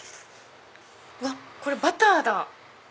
うわっこれバターだ！